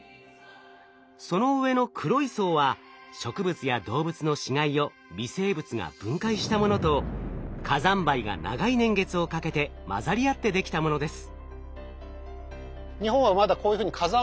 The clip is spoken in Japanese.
その上の黒い層は植物や動物の死骸を微生物が分解したものと火山灰が長い年月をかけて混ざり合ってできたものです。